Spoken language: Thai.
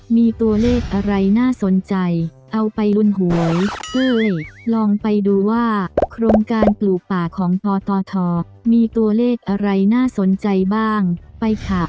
มีตัวเลขอะไรน่าสนใจเอาไปลุ้นหวยเอ้ยลองไปดูว่าโครงการปลูกป่าของปตทมีตัวเลขอะไรน่าสนใจบ้างไปค่ะ